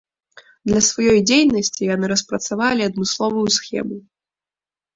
Для сваёй дзейнасці яны распрацавалі адмысловую схему.